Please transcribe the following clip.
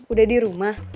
udah di rumah